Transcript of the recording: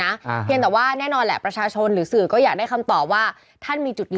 มีความริตรเห็นเป็นไรบ้าง